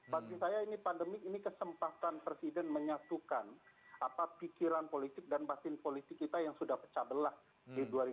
bagi saya ini pandemi ini kesempatan presiden menyatukan pikiran politik dan batin politik kita yang sudah pecah belah di dua ribu dua puluh